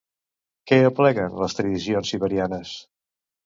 Què apleguen les tradicions siberianes?